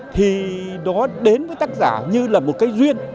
thì nó đến với tác giả như là một cái duyên